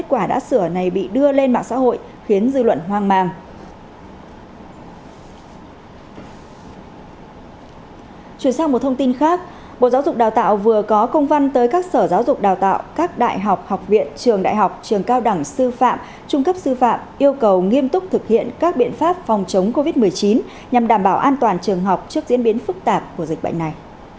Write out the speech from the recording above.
chuyển sang một thông tin khác bộ giáo dục đào tạo vừa có công văn tới các sở giáo dục đào tạo các đại học học viện trường đại học trường cao đẳng sư phạm trung cấp sư phạm yêu cầu nghiêm túc thực hiện các biện pháp phòng chống covid một mươi chín nhằm đảm bảo an toàn trường học trước diễn biến phức tạp của dịch bệnh này